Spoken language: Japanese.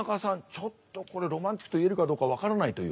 ちょっとこれロマンチックと言えるかどうか分からないという。